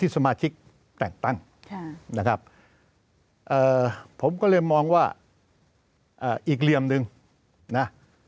สมาชิกแต่งตั้งนะครับผมก็เลยมองว่าอีกเหลี่ยมหนึ่งนะ